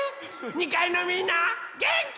２かいのみんなげんき？